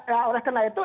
yang kena itu